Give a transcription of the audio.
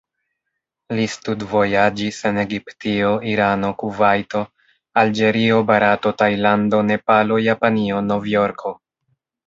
Li studvojaĝis en Egiptio, Irano, Kuvajto, Alĝerio, Barato, Tajlando, Nepalo, Japanio, Novjorko.